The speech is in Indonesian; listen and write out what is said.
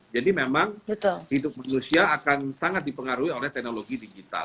jadi memang hidup manusia akan sangat dipengaruhi oleh teknologi digital